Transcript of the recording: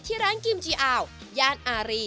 ที่ร้านกิมจีอาวย่านอารี